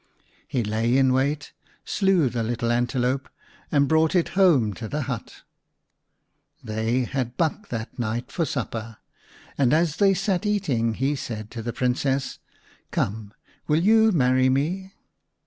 He lay in wait, slew the little antelope, and brought it home to the hut. They had buck that night for supper, and as they sat eating he said to the Princess, " Come, will you marry me